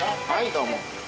どうも。